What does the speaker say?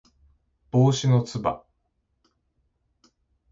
帽子のつば